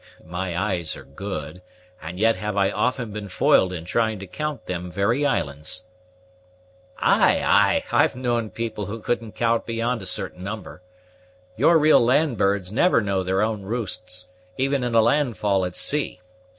"My eyes are good, and yet have I often been foiled in trying to count them very islands." "Ay, ay, I've known people who couldn't count beyond a certain number. Your real land birds never know their own roosts, even in a landfall at sea.